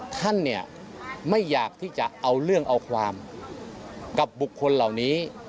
ท่านเนี่ยไม่อยากที่จะเอาเรื่องเอาความกับบุคคลเหล่านี้